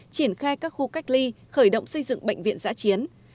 triển khai các khu cách ly khởi động xây dựng bệnh viện giã chiến